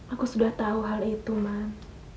aku sudah tahu hal itu man